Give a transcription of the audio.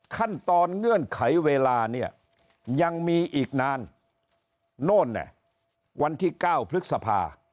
ขั้นตอนเงื่อนไขเวลาเนี้ยยังมีอีกนานโน่นเนี้ยวันที่เก้าพฤษภา